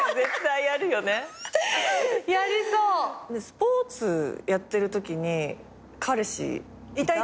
スポーツやってるときに彼氏いた？